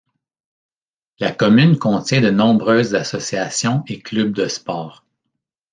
La commune contient de nombreuses associations et clubs de sport.